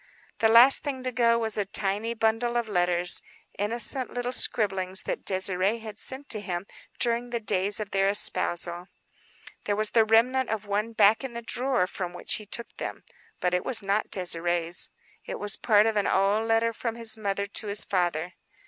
The last thing to go was a tiny bundle of letters; innocent little scribblings that Désirée had sent to him during the days of their espousal. There was the remnant of one back in the drawer from which he took them. But it was not Désirée's; it was part of an old letter from his mother to his father.